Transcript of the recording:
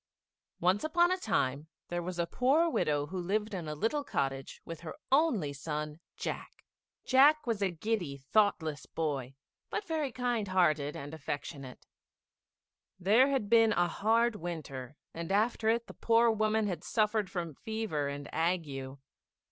Once upon a time there was a poor widow who lived in a little cottage with her only son Jack. [Illustration: JACK SELLS A COW FOR SOME BEANS.] Jack was a giddy, thoughtless boy, but very kind hearted and affectionate. There had been a hard winter, and after it the poor woman had suffered from fever and ague.